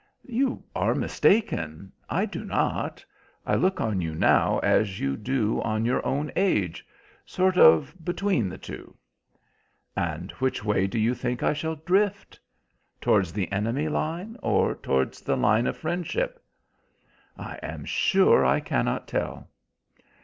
"You are mistaken. I do not. I look on you now as you do on your own age—sort of between the two." "And which way do you think I shall drift? Towards the enemy line, or towards the line of friendship?" "I am sure I cannot tell."